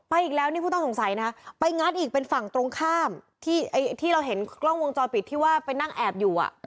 อีกแล้วนี่ผู้ต้องสงสัยนะไปงัดอีกเป็นฝั่งตรงข้ามที่เราเห็นกล้องวงจรปิดที่ว่าไปนั่งแอบอยู่